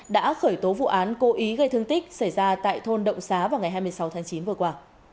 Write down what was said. đã khởi tố vụ án cố ý gây thương tích xảy ra tại thôn động xá vào ngày hai mươi sáu tháng chín vừa qua